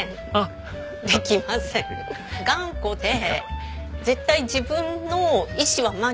頑固で絶対自分の意志は曲げなくて。